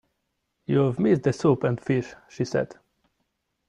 ‘You’ve missed the soup and fish,’ she said.